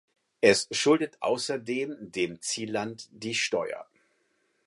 Es schuldet außerdem dem Zielland die Steuer.